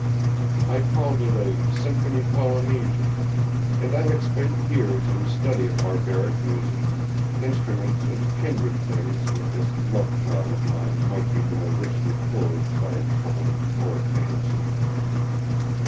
I called it a Symphony Polynesian, and I had spent years in study of barbaric music, instruments and kindred things that this love child of mine might be more richly clothed by a tone or a fancy.